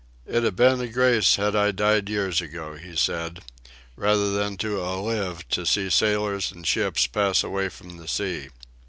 "It'd a ben a grace had I died years ago," he said, "rather than to a lived to see sailors an' ships pass away from the sea."